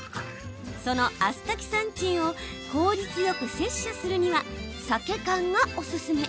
そのアスタキサンチンを効率よく摂取するにはサケ缶がおすすめ。